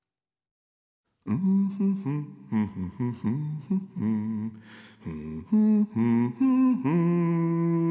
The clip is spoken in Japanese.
「フフフンフフフフフフンフフフフフン」